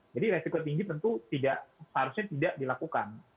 jadi resiko tinggi tentu harusnya tidak dilakukan